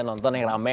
nonton yang rame